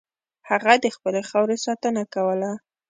هغه د خپلې خاورې ساتنه کوله.